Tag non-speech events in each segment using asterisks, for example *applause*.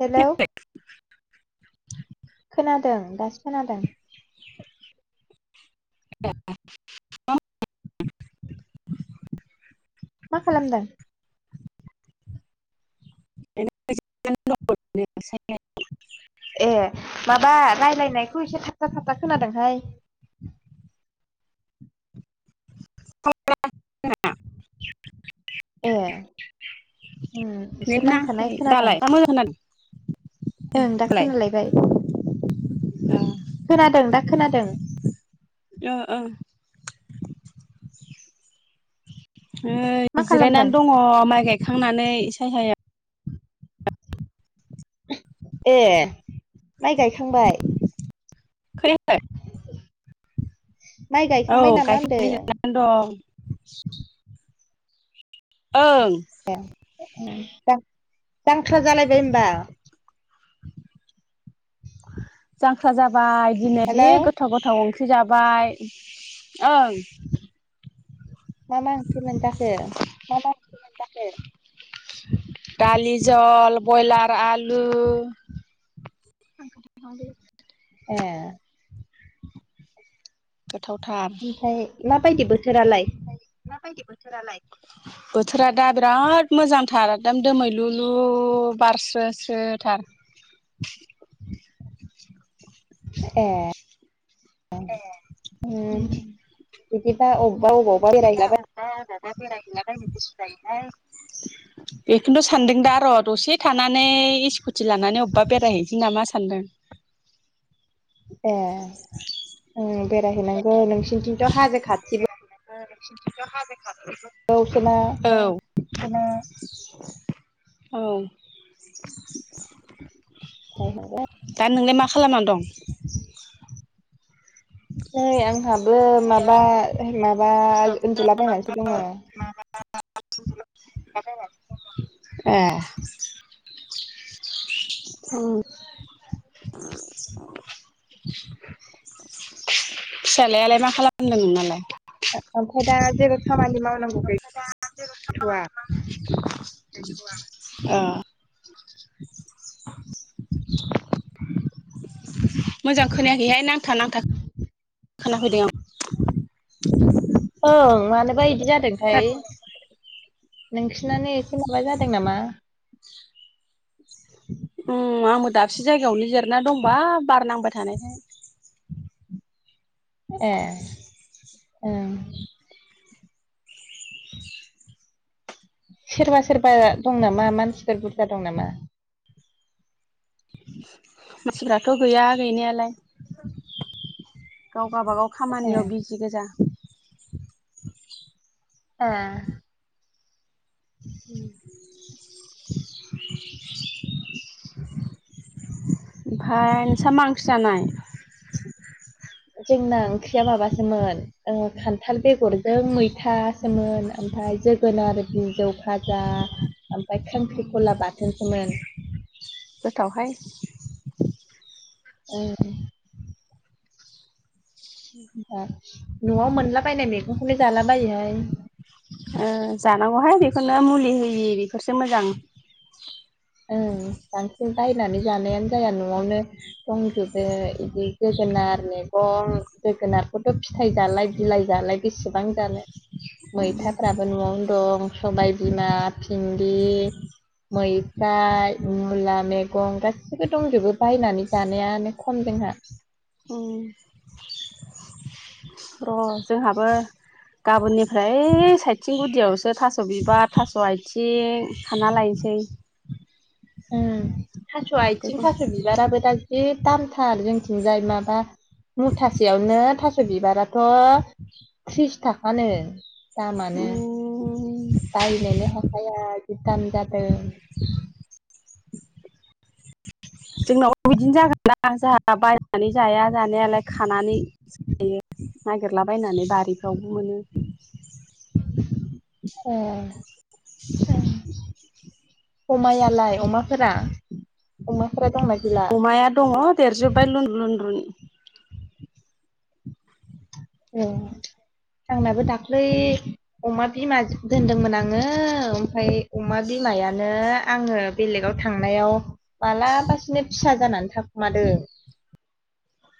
Hello platform खोनादों दासो खोनादों *inaudible* *inaudible* मा खालामदों? ओरैनो जिरायनानैदं ओरैनो ए माबा राय्लायनायखौ एसे थाबथा थाबथा खोनादोंहाय खोना दों नामा? ए उ नेट एसे नाङाखै नांथानाय खोनादोंं? दालाय दा मोजां खोनादों ओं दा खोनालायबाय। द खोनादों दा खोनादों? ओ ओ मा खालामदों? जिरायनानै दङ माइ गायखांनानै सायहायाव ए माइ गायखांबाय? खोनायाखै *inaudible* माइ औ गायखांबाय नामा होनदों? गायखेरनानै जनानै दं। ओं ए जांख्रा जालायबाय होमबा जांख्रा जाबाय दिनै हेलौ जि गोथाव गोथाव ओंख्रि सोजाबाय ओं मा मा ओंख्रिमोन जाखो? दलि जल। ब्रयलार आलु ए गोथाव ओमफाय माबायदि बोथोरालाय? *inaudible* बोथोरा दा बिराद मोजांथार एदम दोमैलुलु बारस्रो *unintelligible* *inaudible* ए ए उम बिदिबा औ बिदिबा अबेबा अबावबा बेरायहैला बायनो गोसो जायोहाय *inaudible* बेखोनथ' सानदों दा र' दसे थानानै स्कुटि लानानै अबेबा बेरायहैनोसै नामा सानदों *inaudible* ए उम बेरायहैनांगौ नोंसिनिथिंथ' हाजो खाथिबो *inaudible* औ बिदिनो औ *inaudible* बेरायहैनांगोन। दा नोंलाय मा खालामनानै दं नै आंहाबो माबा मा बा उन्दुलाबायनानैसो दङ ए उम फिसालायालाय मा खालामदों नोंनालाय ओमफाय दा जेबो खामानि मावनांगौ गैथ'वा *inaudible* ओ *inaudible* *inaudible* मोजां खोनायाखैहाय नांथा नांथा खोना फैदों आं ओं मानोबा इदि जादोंथाय आं। नोंसोनानो एसे माबा जादों नामा उम आंबो दाबसे जायगायावनो जिरना दंबा बार नांबाय थानायखाय ए ओम सोरबा सोरबा दं नामा मानसिफोर बुरजा दं नामा मानसिफ्राथ' गैया गैनायालाय *inaudible* गाव गाबागाव ए खामानियाव बिजि गोजा ए उम ओमफाय नोंसा मा ओंख्रि जानाय *inaudible* जोंना ओंख्रिया माबासोमोन ओ खान्थाल बेगरजों मैथासोमोन ओमफाय जोगोनार बिजौ भाजा ओमफाय खांख्रिखला बाथोनसोमोन गोथावहाय ओं होमबा न'आव मोनलाबायनाय मेगंखौलाय जाला बायोहाय ओ जानांगौहाय बेखोनो मुलि होयि बेफोरसो मोजां ओं बांसिन बायनानै जानायानो जाया न'आवनो दंजोबो इदि जोगोनारनो मैगं जोगोनारखौथ' फिथाइ जालाय बिलाइ जालाय बेसेबां जानो मैथाफ्राबो न'आवनो दं सबायबिमा फिन्दि मै जाय मुला मैगं गाससिबो दंजोबो बायनानै जानायानो खम जोंहा उम र' जोंहाबो गाबोननिफ्राय ओइ साइथिं गुदियाव सो थास' बिबार थास' आथिं खाना लायनोसै। उम थास' आथिं बेफोरखौ थास' बिबाराबो दा बे दामथार जोंथिंजाय माबा मुथासेयावनो थास' बिबाराथ' थ्रिस थाखानो। दामानो उम बायनोनो हाखाया जि दाम जादों। *inaudible* जोंनाव बो बिदिनो जागोन ना जोंहा बायनानै जाया जानायालाय खानानै जायो। नागिरलाबायनानै बारिफ्रावबो मोनो ओह अमायालाय अमाफोरा अमाफोरा दंनाय अमाया दङ देरजोब्बाय लुन्द्रुन लुन्द्रुन औ आंनाबो दाख्लै अमा बिमा दोनदोंमोन आङो ओमफ्राय अमा बिमायानो आङो बेलेगाव थांनायाव मालाबासिनो फिसा जानानै थाखुमादों।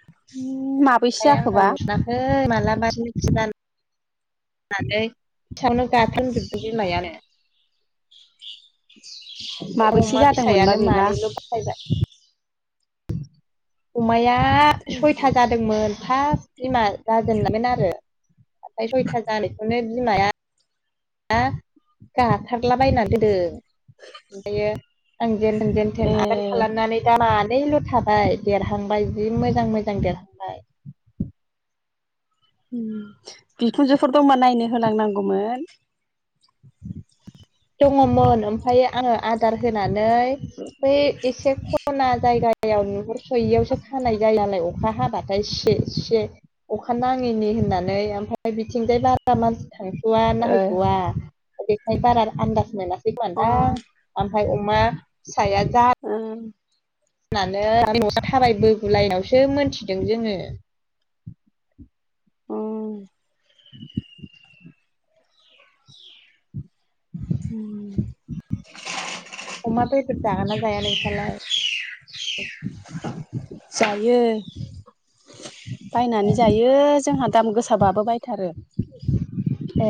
*unintelligible* ओमफ्राय आंहा जाखोबा नुवाखै मालाबानो *unintelligible* *unintelligible* जोबदों बिमायानो ओम माबैसे अमा जादोंमोनबा फिसायानो बेबा मानैबो *unintelligible* अमाया सयथा जादोंमोन फार्स्ट बिमा जाजेनायमोन आरो ओमफ्राय सयथा जानायखौनो बिमाया गाथारला बायना दोनदों ओमफ्रायो आं जेनथेन ए जेनथेन आबार खालामनानै दा मा नैल' थाबाय देरहांबाय जि मोजां मोजां देरहांबाय। बिखुनजोफोर दंबा नायनो होलांनांगौमोन दङमोन ओमफ्राय आङो आदार होनानै बै एसे खना जायगायाव नुहुर सयैयावसो खानाय जायोलाय अखा हाबाथाय सि-सि अखा नाङैनि होननानै ओमफ्राय बिथिंजाय बारा मान थांस'वा नायहैथ'वा बेखायनो बारा आन्दाज मोनासै खोमादां आमफ्राय अमा ओं होननानै न'आ थाबायबोगुलायनावसो मोनथिदों जोङो अ *inaudible* *inaudible* अमा बेदर जागोन ना जाया नोंसालाय? जायो बायनानै जायो जोंहा दाम गोसाबाबो बायथारो ए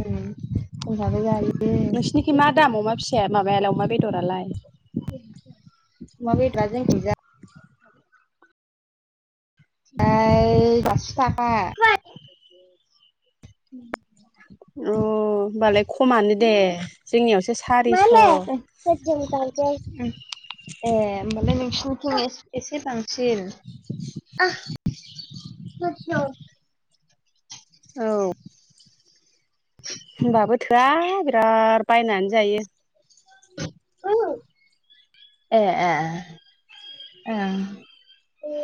उम जोंहाबो जायो अमा नोंसिनिखि मा दाम अमा फिसाया माबायालाय अमा बेदरालाय? अमा बेदराम जोंनिथिंजाय प्राय *unintelligible* थाखा अ होनोमबालाय खमानो दे जोंनियावसो सारिस' औ *unintelligible* ए होमबालाय नोंसिनिथिं एसे बांसिन औ होनबाबो थोआ बिराद बायनानै जायो *unintelligible* ओं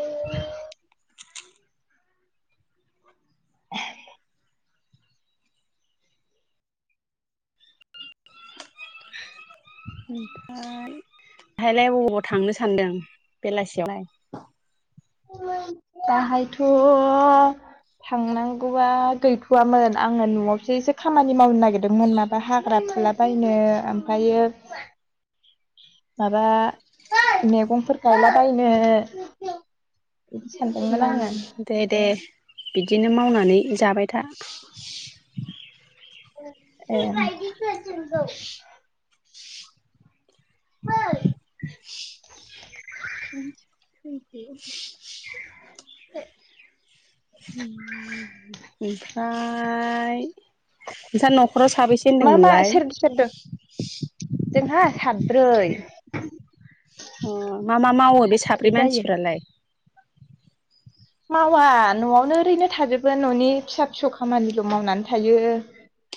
*unintelligible* *inaudible* ओमफ्राय बेहायलाय बबाव थांनो सान्दों बेलासि? *inaudible* दाहायथ' थांनांगौआ गैथ'वामोन आङो न'आवसो एसे खामानि मावनो नागिरदोंमोन माबा हाग्रा फुलाबायनो ओमफ्रायो माबा मैगंफोर गायलाबायनो बिदि उ सानदोंमोन आङो दे दे बिदिनो मावनानै जाबाय था *unintelligible* *inaudible* *inaudible* *inaudible* ओमफ्राय नोंस्रा न'खराव साबैसे मा मा होनदोंमोनलाय? सोर सोरदों ब्रै अ मा मा मावो बे साब्रै जायो मानसिफ्रालाय? मावा न'आवनो ओरैनो थाजोबो न'नि फिसा फिसौ खामानिल' मावनानै थायो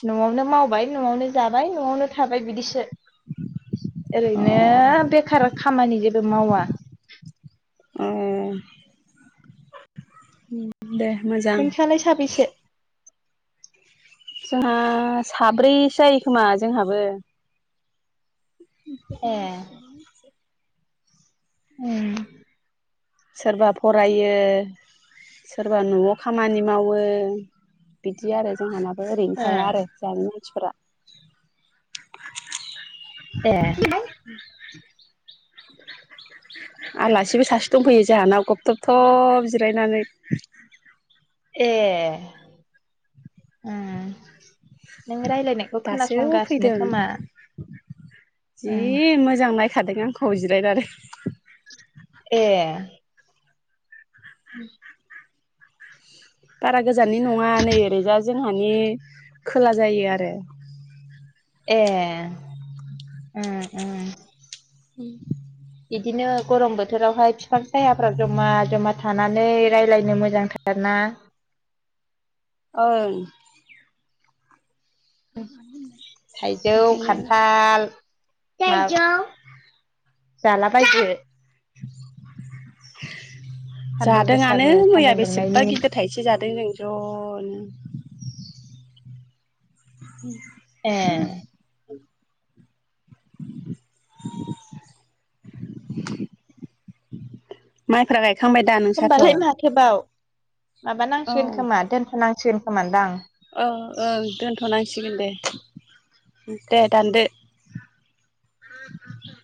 न'आवनो मावबाय न'आवनो जाबाय न'आवनो थाबाय बिदिसो। अ ओरैनो बेखार खामानि जेबो मावा‌। *unintelligible* दे मोजां। नोंसालाय साबैसे जोंहा साब्रैसो जायो खोमा जोंहाबो। ए *unintelligible* *unintelligible* सोरबा फरायो सोरबा न'आव खामानि मावो बिदि आरो जोंहा ओरैनो ओ थाया आरो जोंहानि मानसिफोरा। ए आलासिबो सासे दंफैयो जोंहानाव गबथब थब जिरायनानै ए नों रायज्लायनायखौ दासो खोनासंगासिनो फैदों खोमा जि उम मोजां नायखादों आंखौ जिरायनानै ए औ बारा गोजाननि नङा नै ओरैजा जोंहानि खोला जायो आरो ए उ बिदिनो गरम बोथोरावहाय बिफां सायाफ्राव जमा जमा थानानै रायज्लायनो मोजांथार ना? ओं। थाइजौ ओंखायनो खान्थाल जाला बायदो *inaudible* सान्दुं जादोंआनो गोसानि मैया सान्दुं बेसेबा दुंनायनि गिदिर थाइसे जादों जों ज' *inaudible* *inaudible* ए *inaudible* *inaudible* माइफ्रा गायखांबाय दा नोंसाथ? माबा औ नांसिगोन खोमा दोनथनांसिगोन खोमा दां अ ओं दोनथनांसिगोन दे दे दानदो *inaudible*